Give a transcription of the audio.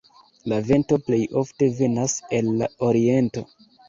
La vento plej ofte venas el la oriento.